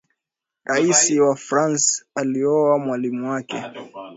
Raisi wa France aliowa mwalimu wake